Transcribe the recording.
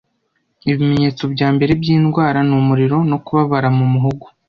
Ibimenyetso byambere byindwara ni umuriro no kubabara mu muhogo.